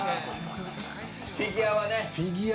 フィギュアはね。